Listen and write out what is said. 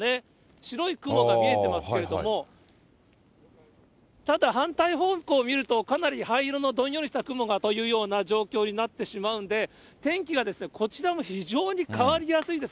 白い雲が見えてますけれども、ただ反対方向を見ると、かなり灰色のどんよりとした雲がというような状況になってしまうんで、天気がこちらも非常に変わりやすいです。